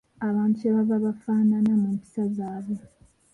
Abantu kye bava bafaanana mu mpisa zaabwe!